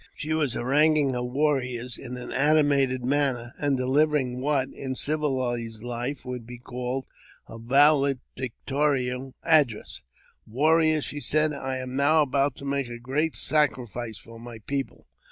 She was harangu ing her warriors in an animated manner, and delivering what,, in civilized life, would be called her valedictory address. " Warriors !" she said, " I am now about to make a great sacrifice for my people.